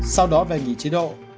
sau đó về nghỉ chế độ